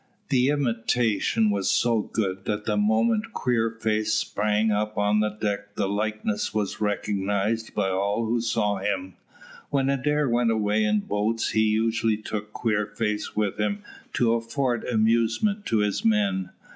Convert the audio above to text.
The imitation was so good that the moment Queerface sprang up on deck the likeness was recognised by all who saw him. When Adair went away in boats he usually took Queerface with him to afford amusement to his men.